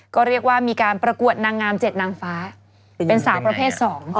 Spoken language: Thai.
ก็เรียกว่ามีการประกวดนางงาม๗นางฟ้าเป็นสาวประเภท๒